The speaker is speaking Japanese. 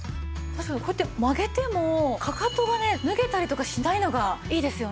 確かにこうやって曲げてもかかとがね脱げたりとかしないのがいいですよね。